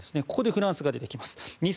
ここでフランスが出てきます。